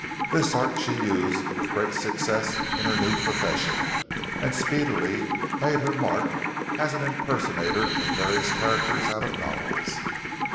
This art she used with great success in her new profession, and speedily made her mark as an impersonator of various characters out of novels.